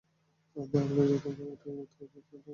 আর যতবার তুমি এটাকে মুক্ত করবে, আচারটা ততই কঠিন হবে।